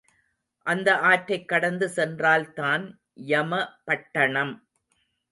அந்த ஆற்றைக் கடந்து சென்றால் தான் யமபட்டணம்.